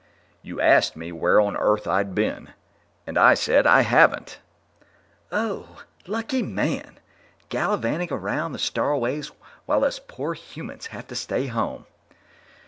"You asked me where on Earth I'd been, and I said I haven't." "Oh! Lucky man! Gallivanting around the starways while us poor humans have to stay home."